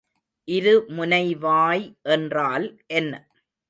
இருமுனைவாய் என்றால் என்ன?